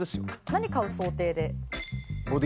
何買う想定で？